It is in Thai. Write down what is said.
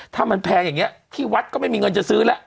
ถ้ามันแพงอย่างนี้ที่วัดก็ไม่มีเงินจะซื้อแล้ว